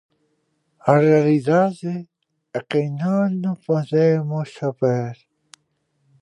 A realidade é que non o podemos saber.